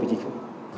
với chính phủ